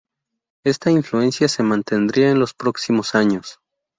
Esta influencia se mantendría en los próximos años.